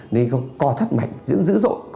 nên có cò thắt mạnh dữ dội